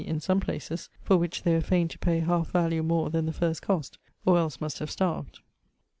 in some places, for which they were faine to pay halfe value more then the first cost, or els must have starved.